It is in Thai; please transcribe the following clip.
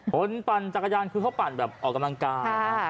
คนปั่นจักรยานคือพวกเขาปั่นออกกำลังกาย